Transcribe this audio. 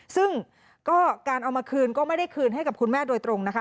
ซึ่งก็การเอามาคืนก็ไม่ได้คืนให้กับคุณแม่โดยตรงนะคะ